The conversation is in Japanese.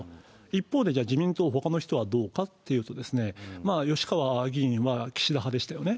一方で、じゃあ、自民党、ほかの人はどうかっていうと、吉川議員は岸田派でしたよね。